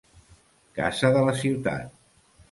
Casa de la Ciutat.